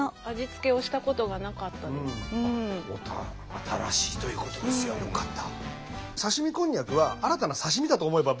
新しいということですよ。よかった。